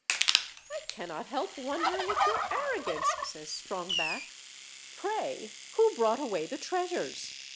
"I cannot help wondering at your arrogance," says Strongback; "pray who brought away the treasures?